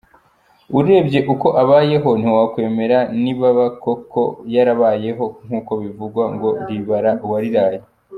Urebye uko abayeho ntiwakwemera nibaba koko yarabayeho nk'uko abivuga, ngo ribara uwariraye.